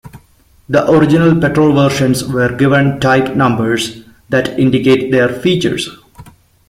The original petrol versions were given type numbers that indicate their features.